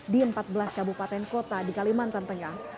di empat belas kabupaten kota di kalimantan tengah